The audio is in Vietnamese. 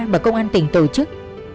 bởi công an tỉnh tổ chức